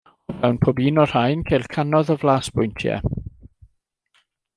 O fewn pob un o'r rhain ceir cannoedd o flasbwyntiau.